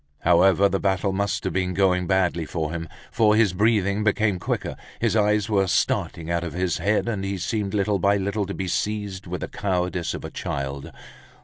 However the battle must have been going badly for him, for his breathing became quicker, his eyes were starting out of his head, and he seemed little by little to be seized with the cowardice of a child.